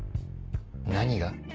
何が？